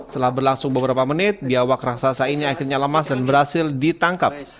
setelah berlangsung beberapa menit biawak raksasa ini akhirnya lemas dan berhasil ditangkap